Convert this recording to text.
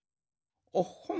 おっほん！